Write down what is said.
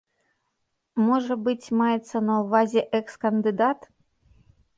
Можа быць, маецца на ўвазе экс-кандыдат?